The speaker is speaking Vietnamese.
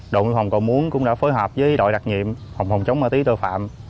đội biên phòng cầu muốn cũng đã phối hợp với đội đặc nhiệm phòng phòng chống ma tí tội phạm